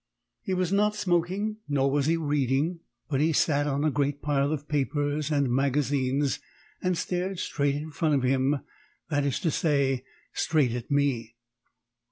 He was not smoking, nor was he reading; but he sat on a great pile of papers and magazines, and stared straight in front of him that is to say, straight at me.